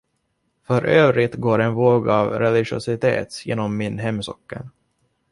För övrigt går en våg av religiositet genom min hemsocken.